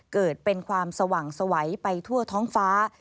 เกิดเป็นความสว่างสวัยไปทั่วท้องฟ้า